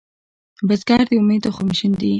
بزګر د امید تخم شیندي